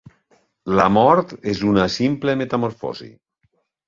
La mort és una simple metamorfosi.